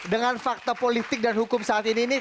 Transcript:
dengan fakta politik dan hukum saat ini